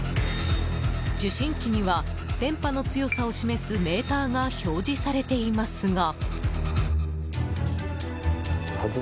受信機には電波の強さを示すメーターが表示されていますが。